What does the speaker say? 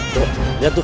tunggu lihat tuh